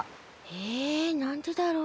えなんでだろう？